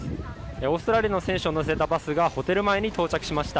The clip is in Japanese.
オーストラリアの選手を乗せたバスがホテル前に到着しました。